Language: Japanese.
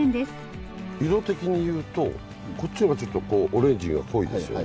色的に言うとこっちがちょっとオレンジが濃いですよね。